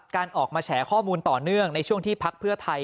การออกมาแฉข้อมูลต่อเนื่องในช่วงที่พักเพื่อไทย